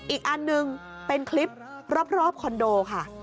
อีกอันหนึ่งเป็นคลิปรอบคอนโดค่ะ